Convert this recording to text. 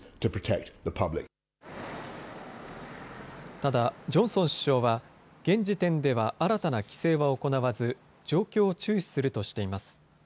ただ、ジョンソン首相は現時点では新たな規制は行わず状況を注視するとしています。